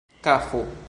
kafo